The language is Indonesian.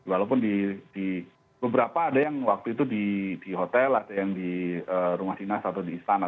walaupun di beberapa ada yang waktu itu di hotel ada yang di rumah dinas atau di istana